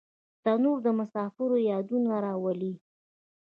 تنور د مسافر یادونه راولي